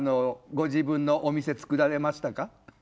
ご自分のお店つくられましたか？